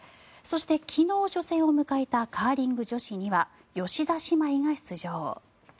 そして、昨日初戦を迎えたカーリング女子には吉田姉妹が出場。